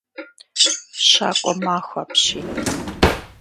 Щакӏуэмахуэ апщий.